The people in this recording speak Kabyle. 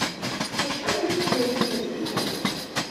Acḥal i teččiḍ n uguglu?